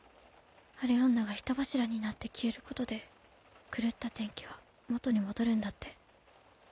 晴れ女が人柱になって消える事で狂った天気は元に戻るんだって。